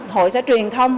hội sẽ truyền thông